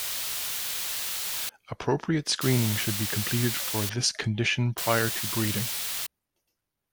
Appropriate screening should be completed for this condition prior to breeding.